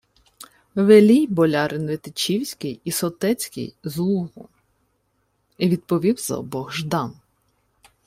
— Велій болярин витичівський і сотецький з Лугу, — відповів за обох Ждан.